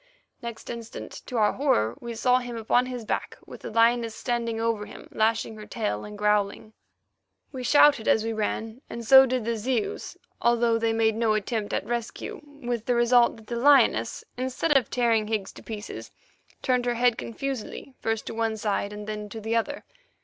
Next instant, to our horror, we saw him upon his back, with the lioness standing over him, lashing her tail, and growling. We shouted as we ran, and so did the Zeus, although they made no attempt at rescue, with the result that the lioness, instead of tearing Higgs to pieces, turned her head confusedly first to one side and then to the other.